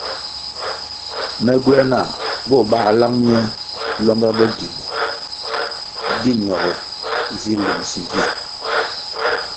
Me gywē nah bo bā lang ne lwanga bo gimbo di ñogo zi lungsi vi.